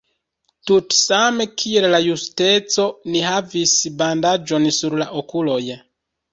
Tutsame kiel la Justeco, ni havis bandaĝon sur la okuloj.